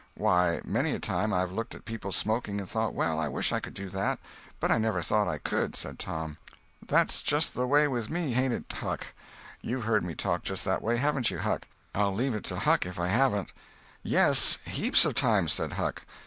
"Why, many a time I've looked at people smoking, and thought well I wish I could do that; but I never thought I could," said Tom. "That's just the way with me, hain't it, Huck? You've heard me talk just that way—haven't you, Huck? I'll leave it to Huck if I haven't." "Yes—heaps of times," said Huck.